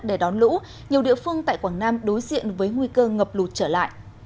để đón lũ nhiều địa phương tại quảng nam đối diện với nguy cơ ngập lụt trở lại